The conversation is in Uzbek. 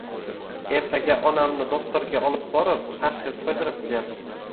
Ertaga onamni do`xtirga olib borib, tashxis qo`ydirib kel